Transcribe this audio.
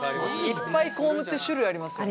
いっぱいコームって種類ありますよね？